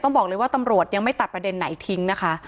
บอกเลยว่าตำรวจยังไม่ตัดประเด็นไหนทิ้งนะคะ